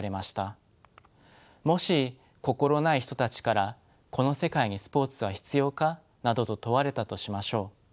もし心ない人たちから「この世界にスポーツは必要か」などと問われたとしましょう。